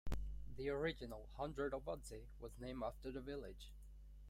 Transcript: The original "Hundred of Odsey" was named after the village.